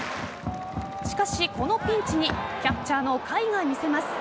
しかし、このピンチにキャッチャーの甲斐が見せます。